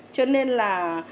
cho nên là